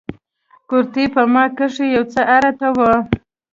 کورتۍ په ما کښې يو څه ارته وه.